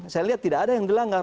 saya lihat tidak ada yang dilanggar